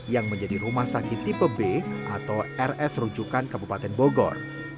yang menjadi rumah sakit tipe b atau rs rujukan kabupaten bogor